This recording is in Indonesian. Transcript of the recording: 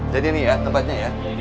jadi ini ya tempatnya ya